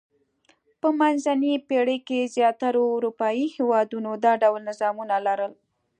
په منځنۍ پېړۍ کې زیاترو اروپايي هېوادونو دا ډول نظامونه لرل.